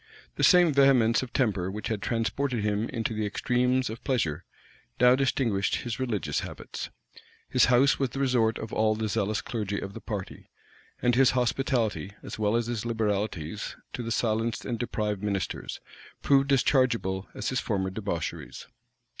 The same vehemence of temper which had transported him into the extremes of pleasure, now distinguished his religious habits. His house was the resort of all the zealous clergy of the party; and his hospitality, as well as his liberalities to the silenced and deprived ministers, proved as chargeable as his former debaucheries.